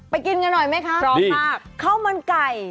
ไปกินกันหน่อยไหมคะ